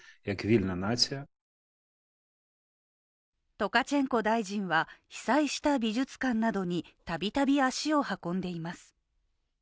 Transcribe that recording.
トカチェンコ大臣は被災した美術館などに度々足を運んでいます。